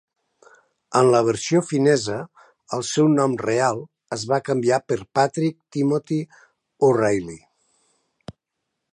En la versió finesa, el seu nom real es va canviar per Patrick Timothy O'Ralley.